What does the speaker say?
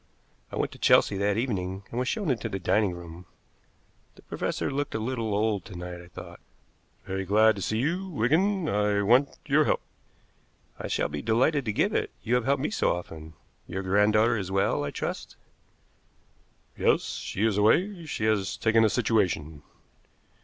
I went to Chelsea that evening, and was shown into the dining room. The professor looked a little old to night, I thought. "Very glad to see you, Wigan. I want your help." "I shall be delighted to give it, you have helped me so often. Your granddaughter is well, I trust?" "Yes, she is away. She has taken a situation."